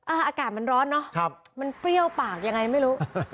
อากาศมันร้อนเนอะมันเปรี้ยวปากยังไงไม่รู้